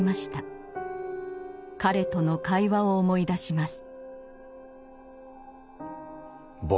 彼との会話を思い出します。